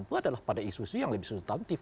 itu adalah pada isu isu yang lebih substantif